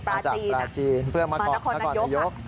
อาจจะปราจีนเพื่อมาก่อนอยก